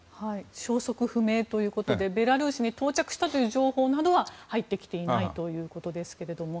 消息不明ということでベラルーシに到着したという情報などは入ってきていないということですけれども。